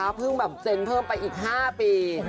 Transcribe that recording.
ล่าสุดเพิ่งเตร้งเพิ่มไปอีก๕ปี